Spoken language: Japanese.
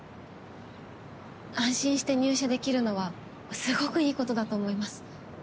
安心して入社できるのはすごくいいことだと思います。